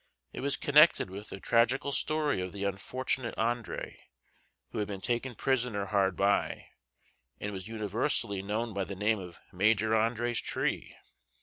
It was connected with the tragical story of the unfortunate Andre, who had been taken prisoner hard by, and was universally known by the name of Major Andre's tree.